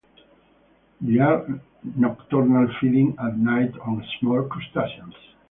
They are nocturnal, feeding at night on small crustaceans.